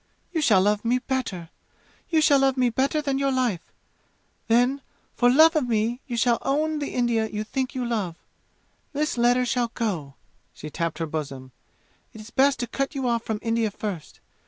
"You shall love me better! You shall love me better than your life! Then, for love of me, you shall own the India you think you love! This letter shall go!" She tapped her bosom. "It is best to cut you off from India first.